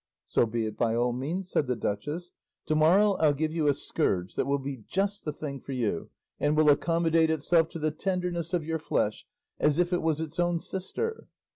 "So be it by all means," said the duchess; "to morrow I'll give you a scourge that will be just the thing for you, and will accommodate itself to the tenderness of your flesh, as if it was its own sister."